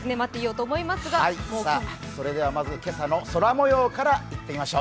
それでは今朝の空模様からいってみましょう。